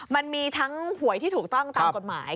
มันมีทั้งหวยที่ถูกต้องตามกฎหมาย